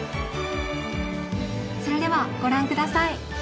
それではご覧下さい。